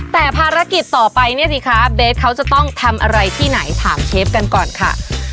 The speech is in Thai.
แต่ภารกิจต่อไปเนี่ยสิคะเบสเขาจะต้องทำอะไรที่ไหนถามเชฟกันก่อนค่ะ